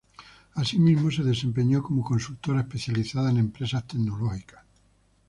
Asimismo, se desempeñó como consultora especializada en empresas tecnológicas.